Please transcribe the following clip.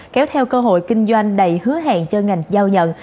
kéo theo cơ hội kinh doanh đầy hứa hẹn cho ngành giao nhận